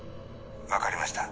「わかりました」